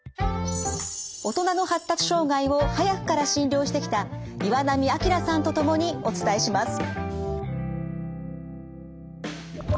大人の発達障害を早くから診療してきた岩波明さんと共にお伝えします。